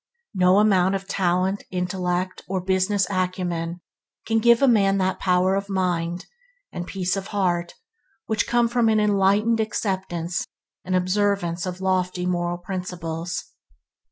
No amount of talent, intellect, or business acumen can give a man that power of mind and peace of heart which come from an enlightened acceptance and observance of lofty moral principles.